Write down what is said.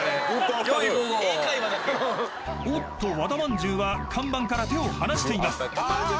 ［おっと和田まんじゅうが看板から手を離しています］